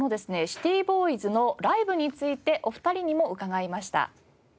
シティボーイズのライブについてお二人にも伺いました。